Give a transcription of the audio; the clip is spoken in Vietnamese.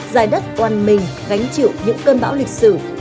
dài đất oàn mình gánh chịu những cơn bão lịch sử